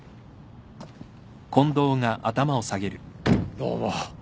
どうも。